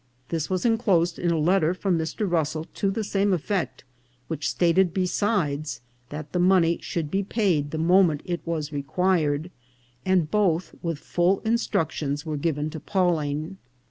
This was enclosed in a letter from Mr. Russell to the same effect, which stated, besides, that the money should be paid the moment it was required, and both, with full instructions, were given to Pawling.